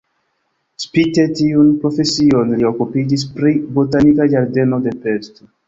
Spite tiun profesion li okupiĝis pri botanika ĝardeno de Pest.